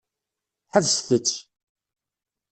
Ḥebset-t.